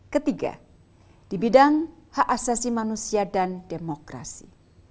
ketiga di bidang hak asasi manusia dan demokrasi